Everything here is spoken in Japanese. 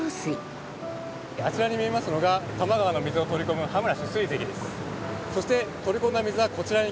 あちらに見えますのが多摩川の水を取り込む羽村取水堰です。